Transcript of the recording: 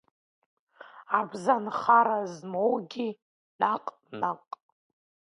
Абзанхара змоугьы наҟ-наҟ.